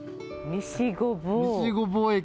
西御坊駅。